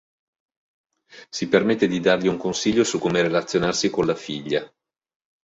Si permette di dargli un consiglio su come relazionarsi con la figlia.